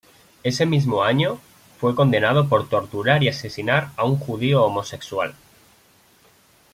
Ese mismo año, fue condenado por torturar y asesinar a un judío homosexual.